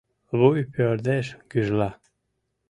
Вуй пӧрдеш, гӱжла.